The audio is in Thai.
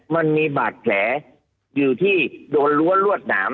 มันมีบาดแผลอยู่ที่โดนรวดน้ำ